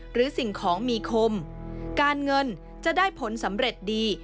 สิ่งของมีคมการเงินจะได้ผลสำเร็จดี